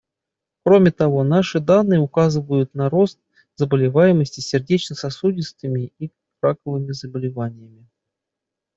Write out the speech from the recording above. Кроме того, наши данные указывают на рост заболеваемости сердечно-сосудистыми и раковыми заболеваниями.